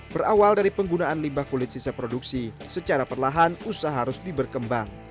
berawal dari penggunaan limbah kulit sisa produksi secara perlahan usaha harus diberkembang